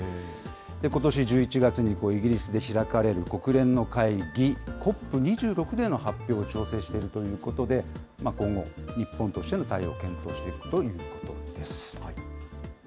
ことし１１月にイギリスで開かれる国連の会議、ＣＯＰ２６での発表を調整しているということで、今後、日本としての対応を検討していくということです。